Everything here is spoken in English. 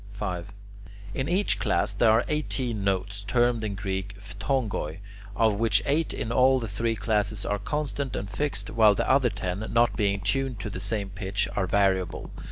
5. In each class there are eighteen notes, termed in Greek [Greek: phthongoi], of which eight in all the three classes are constant and fixed, while the other ten, not being tuned to the same pitch, are variable.